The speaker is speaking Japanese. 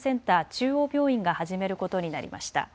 中央病院が始めることになりました。